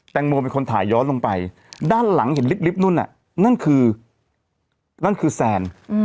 แต้งโมเป็นคนถ่าย้อนลงไปด้านหลังเล็กนู่นนั่นนั่นคือแซน